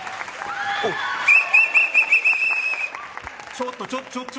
ちょっとちょっと！